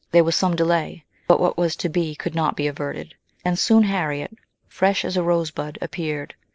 There was some delay ; but what was to be could not be averted, and soon Harriet, fresh as a rosebud, appeared.